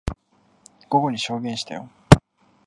午後に証言したよ。